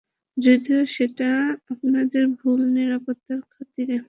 যদিও সেটা আপনাদের ভুল নিরাপত্তার খাতিরে।